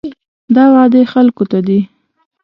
دا وعدې خلکو ته دي.